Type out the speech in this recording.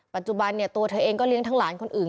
ปัจจุบันเนี่ยตัวเธอเองก็เลี้ยงทั้งหลานคนอื่น